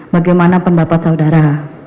bagaimana pendapat saudara